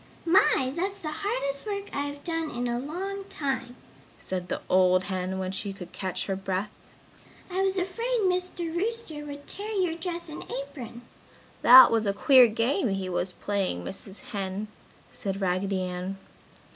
"My! that's the hardest work I have done in a long time!" said the old hen, when she could catch her breath. "I was afraid Mr. Rooster would tear your dress and apron!" "That was a queer game he was playing, Mrs. Hen," said Raggedy Ann.